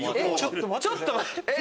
ちょっと待ってよ！